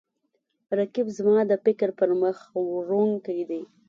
رقیب زما د فکر پرمخ وړونکی دی